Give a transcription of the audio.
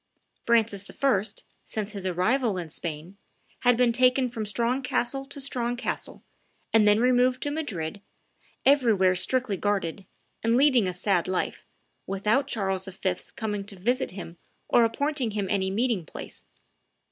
Francis I., since his arrival in Spain, had been taken from strong castle to strong castle, and then removed to Madrid, everywhere strictly guarded, and leading a sad life, without Charles V.'s coming to visit him or appointing him any meeting place.